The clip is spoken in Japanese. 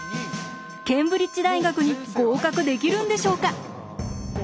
ケンブリッジ大学に合格できるんでしょうか？